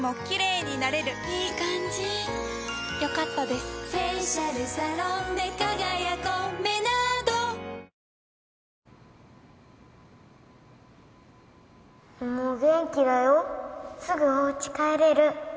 すぐおうち帰れる。